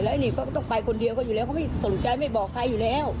อันนี้ก็ต้องไปคนเดียวก็อยู่แล้วเขาไม่สนใจไม่บอกใครอยู่แล้ว